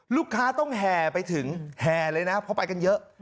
ลูกค้าต้องแห่ไปถึงแห่เลยนะเพราะไปกันเยอะ